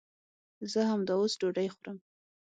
زه همداوس ډوډۍ خورم